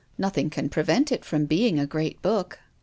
Nothing can prevent it from being a great book."